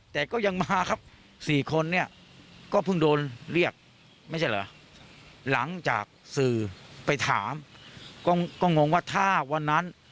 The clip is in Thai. แต่ก็ยังมาครับ๔คนเนี่ยก็เพิ่งโดนเรียกไม่ใช่เหรอหลังจากสื่อไปถามก็งงว่าถ้าวันนั้น